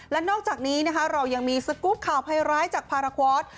และนอกจากนี้นะคะเรายังมีสกุปข่าวภัยร้ายจากพาราคอร์ส